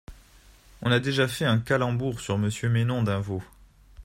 On a déjà fait un calembour sur Monsieur Maynon d'Invaux.